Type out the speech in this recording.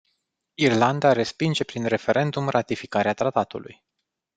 Irlanda respinge prin referendum ratificarea tratatului.